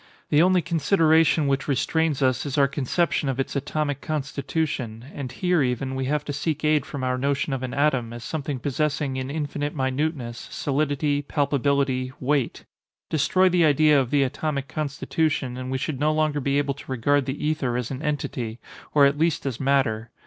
The only consideration which restrains us is our conception of its atomic constitution; and here, even, we have to seek aid from our notion of an atom, as something possessing in infinite minuteness, solidity, palpability, weight. Destroy the idea of the atomic constitution and we should no longer be able to regard the ether as an entity, or at least as matter.